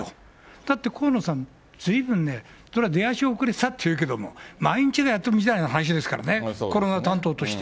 だって河野さん、ずいぶんね、それは出足が遅れたっていうけれども、毎日がやっとみたいな話ですからね、コロナ担当として。